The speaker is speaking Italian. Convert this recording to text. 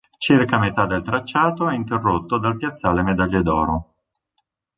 Circa a metà del tracciato è interrotto dal piazzale Medaglie d'Oro.